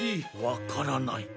わからない。